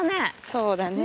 そうだね。